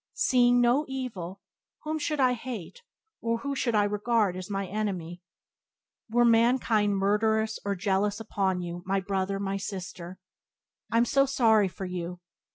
Seeing no evil, whom should I hate or who regard as mine enemy? "Were mankind murderous or jealous upon you, my brother, my sister? I'm so sorry for you.